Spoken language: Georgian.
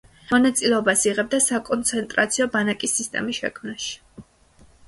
მონაწილეობას იღებდა საკონცენტრაციო ბანაკის სისტემის შექმნაში.